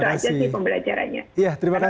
karena semua perasaan di indonesia juga